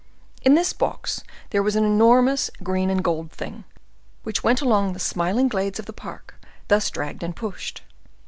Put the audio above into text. In this box there was an enormous green and gold thing, which went along the smiling glades of the park, thus dragged and pushed.